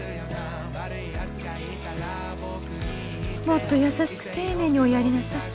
もっと優しく丁寧におやりなさい。